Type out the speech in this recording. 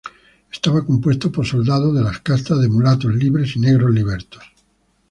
Estaba compuesto por soldados de las castas de mulatos libres y negros libertos.